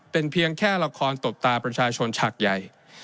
เป็นเพียงแค่ละครตบตาประชาชนฉากใหญ่